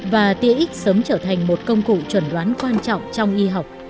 và tia x sớm trở thành một công cụ chuẩn đoán quan trọng trong y học